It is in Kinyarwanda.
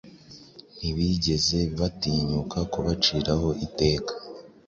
ntibigeze batinyuka kubaciraho iteka.